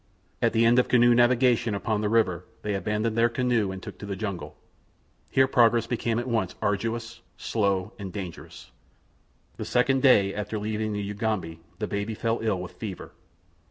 At the end of canoe navigation upon the river, they abandoned their canoe and took to the jungle. Here progress became at once arduous, slow, and dangerous. The second day after leaving the Ugambi the baby fell ill with fever.